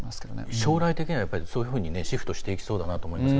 将来的にはやっぱりそういうふうにシフトしていきそうだと思いますが。